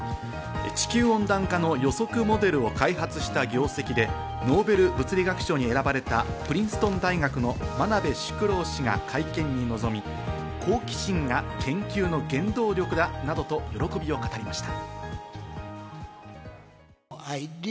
地球温暖化の予測モデルを開発した業績で、ノーベル物理学賞に選ばれたプリンストン大学の真鍋淑郎氏が会見に臨み、好奇心が研究の原動力だなどと喜びを語りました。